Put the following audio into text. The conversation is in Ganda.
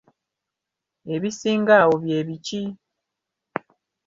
Ebisinga awo bye biki?